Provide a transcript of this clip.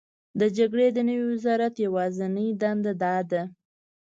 د جګړې د نوي وزرات یوازینۍ دنده دا ده: